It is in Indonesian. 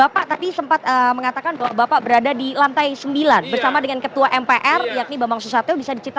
bapak tadi sempat mengatakan bahwa bapak berada di lantai sembilan bersama dengan ketua mpr yakni bambang susatyo